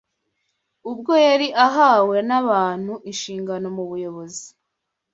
Ubwo yari ahawe n’abantu inshingano mu buyobozi,